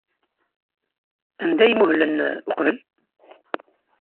Anda ay muhlen uqbel?